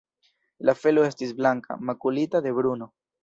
La felo estis blanka, makulita de bruno.